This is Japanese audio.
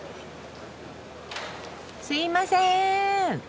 すいません。